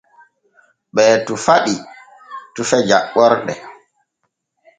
Ɓee tufa ɗi tufe jaɓɓorɗe.